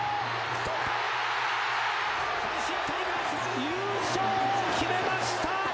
阪神タイガース、優勝を決めました！